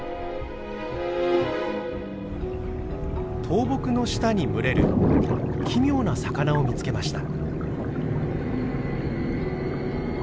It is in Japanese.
倒木の下に群れる奇妙な魚を見つけました。